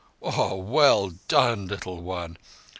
_ Oh, well done, little one!